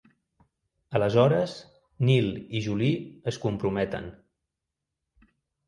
Aleshores, Neil i Julie es comprometen.